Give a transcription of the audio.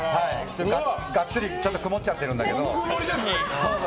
ガッツリ曇っちゃっているんだけど。